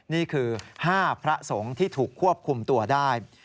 นี่คือ๕พระสงฆ์ที่ถูกควบคุมตัวได้